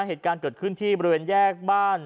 เหตุการณ์เกิดขึ้นที่บริเวณแยกบ้าน